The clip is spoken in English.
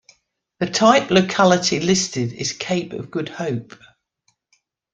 The type locality listed is Cape of Good Hope?